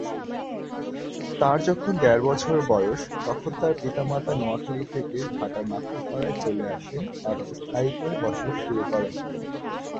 তার যখন দেড় বছর বয়স, তখন তার পিতামাতা নোয়াখালী থেকে ঢাকার নাখালপাড়ায় চলে আসেন এবং স্থায়ীভাবে বসবাস শুরু করেন।